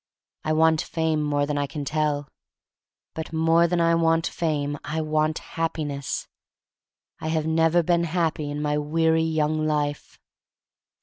I want Fame more than I can tell. But more than I want Fame I want Happiness. I have never been happy in my weary young life.